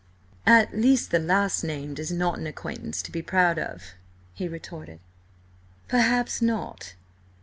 "At least the last named is not an acquaintance to be proud of," he retorted. "Perhaps not.